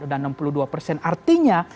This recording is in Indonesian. sudah enam puluh dua persen artinya